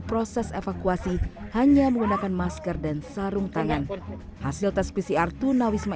proses evakuasi hanya menggunakan masker dan sarung tangan hasil tes pcr tunawisma